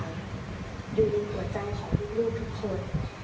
อยู่ในหัวใจของลูกทุกคน